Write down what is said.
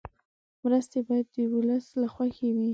مرستې باید د ولس له خوښې وي.